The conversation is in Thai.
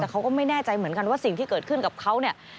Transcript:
แต่เขาก็ไม่แน่ใจเหมือนกันว่าสิ่งที่เกิดขึ้นกับเขาเนี่ย